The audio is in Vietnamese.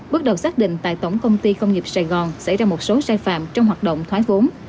bước đầu xác định tại tổng công ty công nghiệp sài gòn xảy ra một số sai phạm trong hoạt động thoái vốn